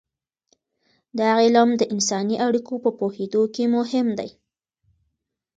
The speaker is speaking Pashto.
دا علم د انساني اړیکو په پوهیدو کې مهم دی.